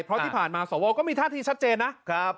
เพราะที่ผ่านมาสวก็มีท่าทีชัดเจนนะครับ